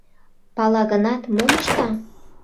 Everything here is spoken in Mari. Пала гынат, мом ышта?